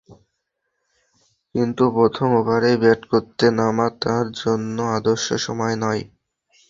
কিন্তু প্রথম ওভারেই ব্যাট করতে নামা তার জন্য আদর্শ সময় নয়।